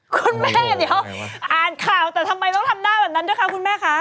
คุณแม่เดี๋ยวอ่านข่าวแต่ทำไมต้องทำหน้าแบบนั้นด้วยคะคุณแม่คะ